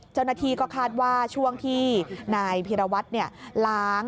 เจ้าหน้าที่ก็คาดว่าช่วงที่นายพีรวัตรล้าง